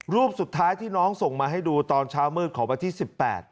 รูปสุดท้ายที่น้องส่งมาให้ดูตอนเช้ามืดของวันที่๑๘